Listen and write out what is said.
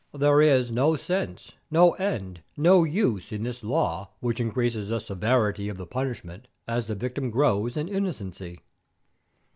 There is no sense, no end, no use, in this law which increases the severity of the punishment as the victim grows in innocency.